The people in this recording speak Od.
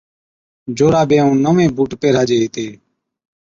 جورابي ائُون نوين بُوٽ پيھِراجي ھِتي